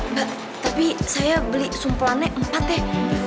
mbak tapi saya beli sumpelannya empat ya